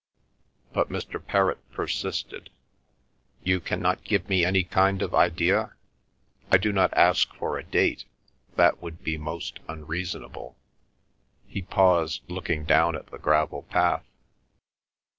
But Mr. Perrott persisted. "You cannot give me any kind of idea. I do not ask for a date ... that would be most unreasonable." He paused, looking down at the gravel path.